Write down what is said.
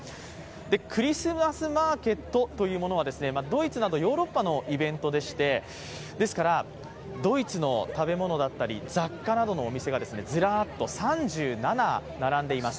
クリスマスマーケットというものはドイツなどヨーロッパのイベントでしてですから、ドイツの食べ物だったり雑貨などのお店などがずらっと３７並んでいます。